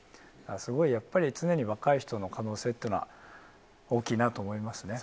すごいやっぱり、常に若い人の可能性っていうのは、大きいなと思いますね。